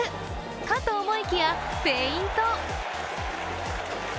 かと思いきや、フェイント。